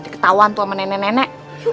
ketahuan tuh sama nenek nenek